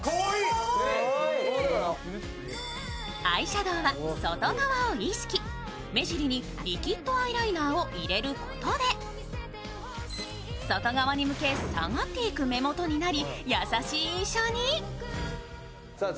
アイシャドウは外側を意識、目尻にリキッドアイライナーを入れることで、外側に向け下がっていく目元になり優しい印象に。